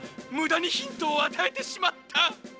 むだにヒントをあたえてしまった！